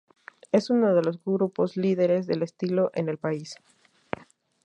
Es uno de los grupos líderes del estilo en el país.